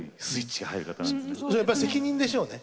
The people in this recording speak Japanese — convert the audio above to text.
やっぱり責任でしょうね。